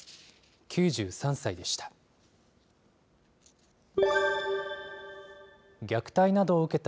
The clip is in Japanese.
９３歳でした。